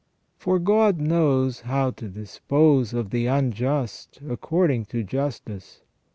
For God knows how to dispose of the unjust according to justice.